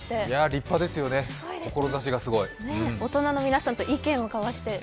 立派ですよね、志しがすごい大人の皆さんと意見を交わして。